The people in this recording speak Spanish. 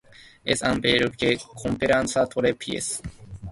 Es un baile que comprende tres pies.